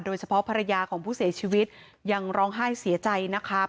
ภรรยาของผู้เสียชีวิตยังร้องไห้เสียใจนะครับ